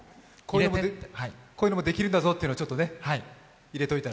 こういうのもできるんだろうというのを入れておいたら。